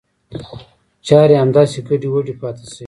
چاري همداسې ګډې وډې پاته شوې.